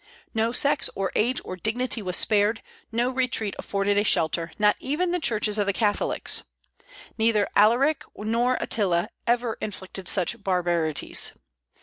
No sex or age or dignity was spared, no retreat afforded a shelter, not even the churches of the Catholics. Neither Alaric nor Attila ever inflicted such barbarities.